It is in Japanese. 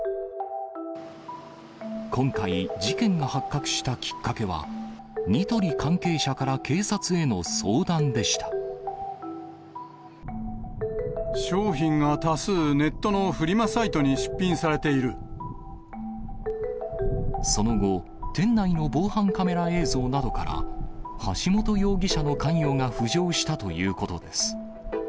今回、事件が発覚したきっかけは、ニトリ関係者から警察への相談で商品が多数、ネットのフリマその後、店内の防犯カメラ映像などから、橋本容疑者の関与が浮上したということです。